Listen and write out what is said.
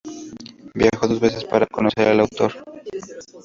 Viajó dos veces para conocer al autor.